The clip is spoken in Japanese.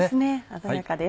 鮮やかです。